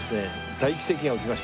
大奇跡が起きました。